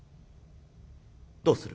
どうする？」。